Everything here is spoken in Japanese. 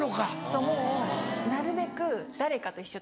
そうもうなるべく誰かと一緒。